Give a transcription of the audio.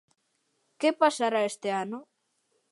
Que pasará este ano?